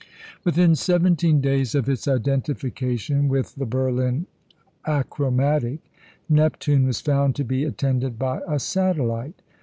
Within seventeen days of its identification with the Berlin achromatic, Neptune was found to be attended by a satellite.